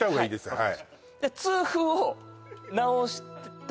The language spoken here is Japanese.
はい